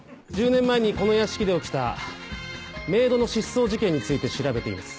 １０年前にこの屋敷で起きたメイドの失踪事件について調べています。